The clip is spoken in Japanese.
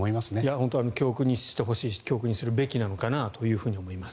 本当に教訓にしてほしいし教訓にするべきなのかなと思います。